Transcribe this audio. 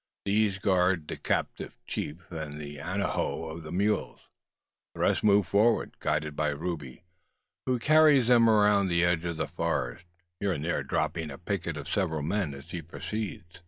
These guard the captive chief and the antajo of mules. The rest move forward, guided by Rube, who carries them round the edge of the forest, here and there dropping a picket of several men as he proceeds.